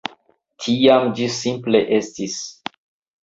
Tiam ĝi simple estis.